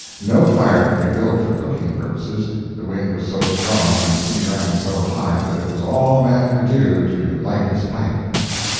No fire could be built for cooking purposes—the wind was so strong and the sea ran so high that it was all a man could do to light his pipe.